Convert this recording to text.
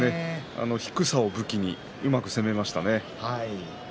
低さを武器にうまく取りましたね。